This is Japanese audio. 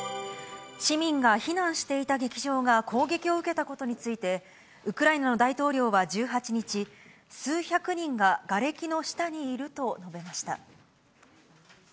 市民が避難していた劇場が攻撃を受けたことについて、ウクライナの大統領は１８日、数百人ががれきの下にいると述べました。